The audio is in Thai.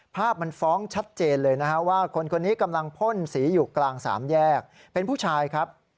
พรั่งพ่นสีอยู่กลางสามแยกเป็นผู้ชายครับ